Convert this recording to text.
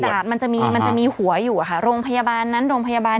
ปกติกระดาษมันจะมีหัวอยู่ค่ะโรงพยาบาลนั้นแหละ